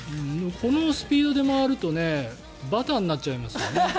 このスピードで回るとバターになっちゃいますよね。